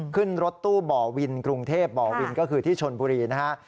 ขึ้นรถตู้บ่อวินกรุงเทพบ่อวินก็คือที่ชนบุรีนะฮะ